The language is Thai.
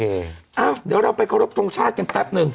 เดี๋ยวเราไปขอรบทรงชาติกันแป๊บหนึ่ง